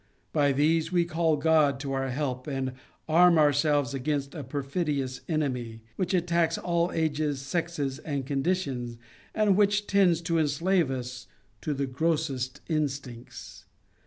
By these we call God to our help, and arm ourselves against a perfidious enemy, which attacks all ages, sexes, and conditions, and which tends to enslave us to the grossest instincts.